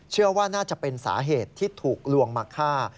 เชื่อว่าน่าจะเป็นสาเหตุที่ถูกลวงมาฆ่า